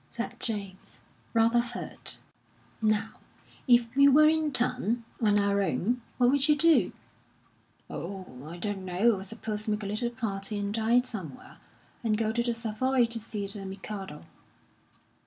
said James, rather hurt. "Now, if we were in town, on our own, what would you do?" "Oh, I don't know. I suppose make a little party and dine somewhere, and go to the Savoy to see the 'Mikado.'"